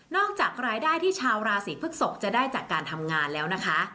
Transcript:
จากรายได้ที่ชาวราศีพฤกษกจะได้จากการทำงานแล้วนะคะ